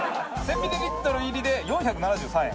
ミリリットル入りで４７３円。